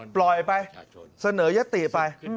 ปล่อยไปเสนอยติไป